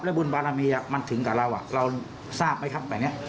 บุญบารมีมันถึงกับเราเราทราบไหมครับแบบนี้